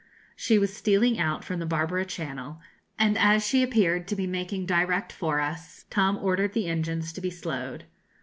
She was stealing out from the Barbara Channel, and as she appeared to be making direct for us, Tom ordered the engines to be slowed.